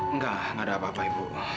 enggak ada apa apa ibu